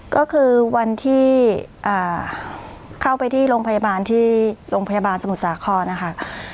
ก็คือวันที่เข้าไปที่โรงพยาบาลที่โรงพยาบาลสมุทรสาครนะคะ